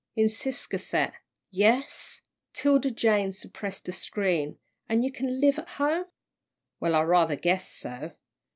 "In Ciscasset?" "Yes." 'Tilda Jane suppressed a scream. "An' you can live at home?" "Well, I rather guess so."